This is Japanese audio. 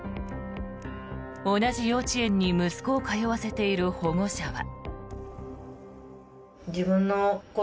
同じ幼稚園に息子を通わせている保護者は。